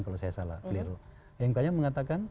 kalau saya salah keliru mk nya mengatakan